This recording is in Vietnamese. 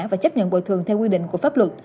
và chấp nhận bồi thường theo quy định của pháp luật